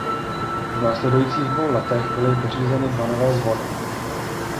V následujících dvou letech byly pořízeny dva nové zvony.